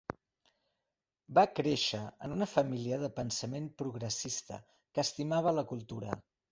Va créixer en una família de pensament progressista que estimava la cultura.